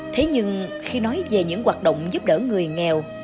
thế nhưng khi nói về những hoạt động giúp đỡ người nghèo